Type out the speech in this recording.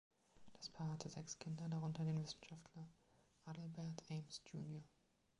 Das Paar hatte sechs Kinder, darunter den Wissenschaftler Adelbert Ames Jr.